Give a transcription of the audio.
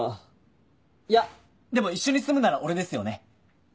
いやでも一緒に住むなら俺ですよね？